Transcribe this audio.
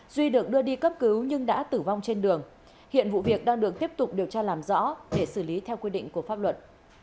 duy được đưa đi cấp cứu nhưng đã tử vong trên đường hiện vụ việc đang được tiếp tục điều tra làm rõ để xử lý theo quy định của pháp luật